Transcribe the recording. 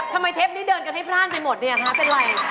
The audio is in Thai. ทำไมเชฟนี้เดินให้พล่านไปหมดนี่ฮะเป็นไร